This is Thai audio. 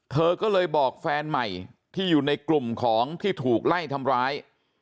เธอก็เลยบอกแฟนใหม่ที่อยู่ในกลุ่มของที่ถูกไล่ทำร้าย